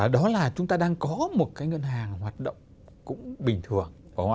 đó là chúng ta đang có một cái ngân hàng hoạt động cũng bình thường